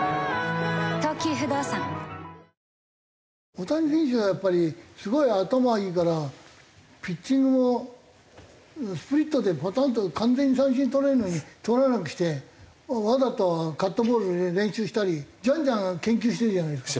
大谷選手はやっぱりすごい頭がいいからピッチングもスプリットでパタンと完全に三振とれるのにとらなくしてわざとカットボール練習したりじゃんじゃん研究してるじゃないですか。